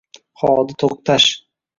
Hodi Toqtosh